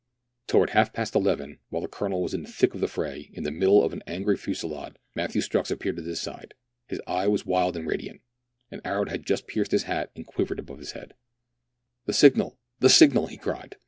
Towards half past eleven, while the Colonel was in the 13 208 RtERIDIANA ; THE ADVENTURES OF thick of the fray, in the middle of an angry fusillade, Matthew Strux appeared at his side. His eye was wild and radiant : an arrow had just pierced his hat and quivered above his head. " The signal I the signal!" he cried.